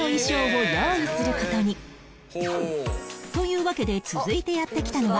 というわけで続いてやって来たのは